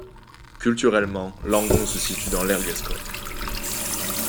Culturellement, Langon se situe dans l'aire gasconne.